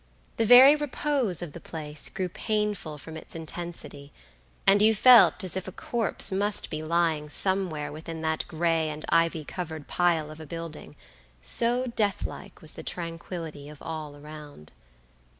The very repose of the place grew painful from its intensity, and you felt as if a corpse must be lying somewhere within that gray and ivy covered pile of buildingso deathlike was the tranquillity of all around.